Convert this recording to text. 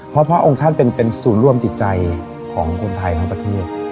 เพราะพระองค์ท่านเป็นศูนย์รวมจิตใจของคนไทยทั้งประเทศ